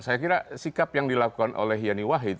saya kira sikap yang dilakukan oleh yandik